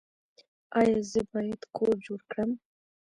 ایا زه باید کور جوړ کړم؟